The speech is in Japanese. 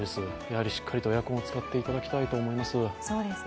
やはりしっかりとエアコンを使っていただきたいと思います。